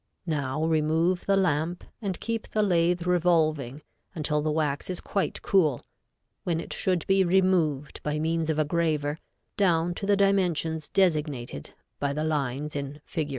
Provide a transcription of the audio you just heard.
Now remove the lamp and keep the lathe revolving until the wax is quite cool, when it should be removed, by means of a graver, down to the dimensions designated by the lines in Figs.